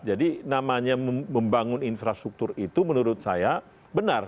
jadi namanya membangun infrastruktur itu menurut saya benar